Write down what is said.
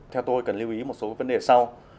theo tôi cần lưu ý một số vấn đề sau